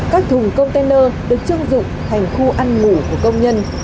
các thùng container được trưng dựng thành khu ăn ngủ của công nhân